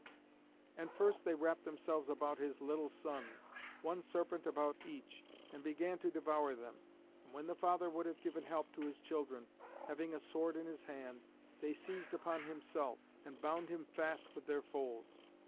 And first they wrapped themselves about his little sons, one serpent about each, and began to devour them. And when the father would have given help to his children, having a sword in his hand, they seized upon himself, and bound him fast with their folds.